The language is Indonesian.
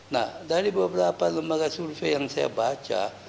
nah dari beberapa lembaga survei yang saya baca